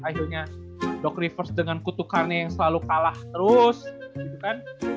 akhirnya dok reverse dengan kutukannya yang selalu kalah terus gitu kan